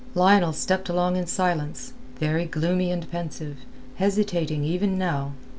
Lionel stepped along in silence, very gloomy and pensive, hesitating even now.